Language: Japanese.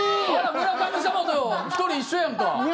村神様とひとり、一緒やんか。